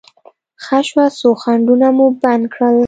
ښه شوه، څو خنډونه مو بند کړل.